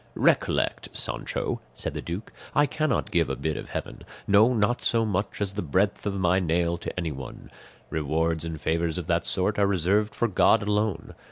"Recollect, Sancho," said the duke, "I cannot give a bit of heaven, no not so much as the breadth of my nail, to anyone; rewards and favours of that sort are reserved for God alone.